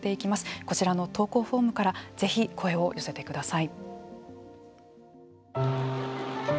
こちらの投稿フォームからぜひ声を寄せてください。